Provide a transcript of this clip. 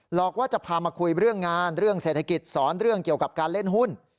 อกว่าจะพามาคุยเรื่องงานเรื่องเศรษฐกิจสอนเรื่องเกี่ยวกับการเล่นหุ้น